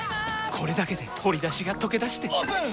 これだけで鶏だしがとけだしてオープン！